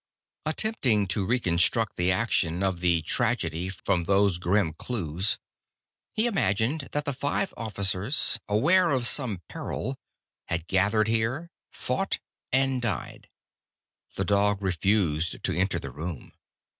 Attempting to reconstruct the action of the tragedy from those grim clues, he imagined that the five officers, aware of some peril, had gathered here, fought, and died. The dog refused to enter the room.